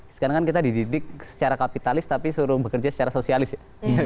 sekarang kan kita dididik secara kapitalis tapi suruh bekerja secara sosialis ya